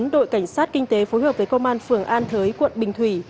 đội cảnh sát kinh tế phối hợp với công an phường an thới quận bình thủy